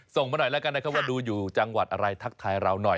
มาหน่อยแล้วกันนะครับว่าดูอยู่จังหวัดอะไรทักทายเราหน่อย